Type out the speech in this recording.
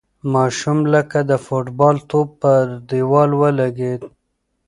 ماشوم لکه د فوټبال توپ پر دېوال ولگېد.